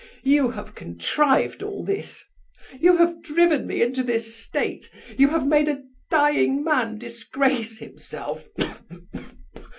You have contrived all this! You have driven me into this state! You have made a dying man disgrace himself.